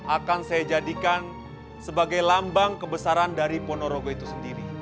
akan saya jadikan sebagai lambang kebesaran dari ponorogo itu sendiri